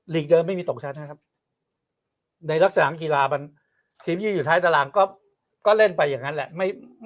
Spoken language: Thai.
เดิมไม่มีตกชั้นนะครับในลักษณะกีฬาทีมที่อยู่ท้ายตารางก็เล่นไปอย่างนั้นแหละ